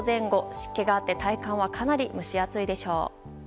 湿気があって体感はかなり蒸し暑いでしょう。